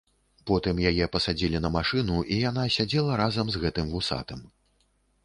Потым яе пасадзілі на машыну, і яна сядзела разам з гэтым вусатым.